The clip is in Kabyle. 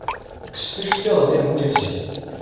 Kkset iceṭṭiḍen-nni-nwen ibezgen.